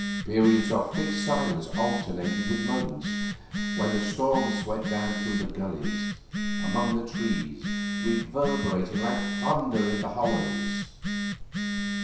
Periods of thick silence alternated with moments when the storm swept down through gullies among the trees, reverberating like thunder in the hollows.